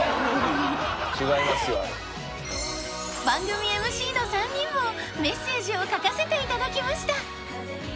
［番組ＭＣの３人もメッセージを書かせていただきました］